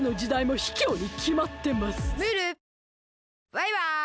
バイバイ。